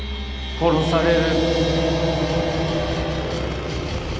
殺される！